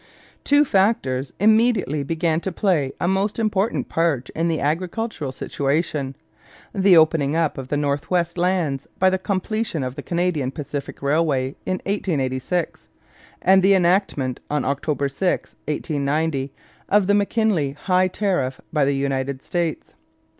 Two factors immediately began to play a most important part in the agricultural situation: the opening up of the north western lands by the completion of the Canadian Pacific Railway in 1886, and the enactment, on October 6, 1890, of the McKinley high tariff by the United States.